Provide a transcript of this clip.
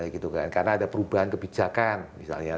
karena ada perubahan kebijakan misalnya